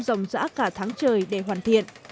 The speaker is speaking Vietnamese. dòng giã cả tháng trời để hoàn thiện